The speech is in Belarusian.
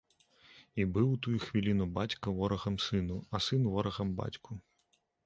І быў у тую хвіліну бацька ворагам сыну, а сын ворагам бацьку.